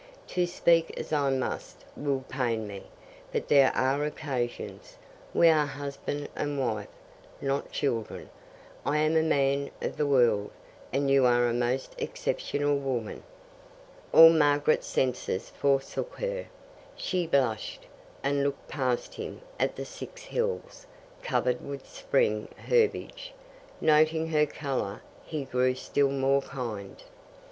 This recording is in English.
To speak as I must will pain me, but there are occasions We are husband and wife, not children. I am a man of the world, and you are a most exceptional woman." All Margaret's senses forsook her. She blushed, and looked past him at the Six Hills, covered with spring herbage. Noting her colour, he grew still more kind.